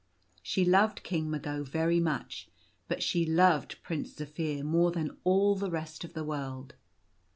She loved King Mago very much, but she loved Prince Zaphir more than all the rest of the world.